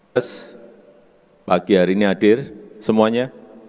plus pagi hari ini hadir semuanya